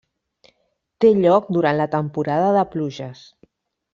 Té lloc durant la temporada de pluges.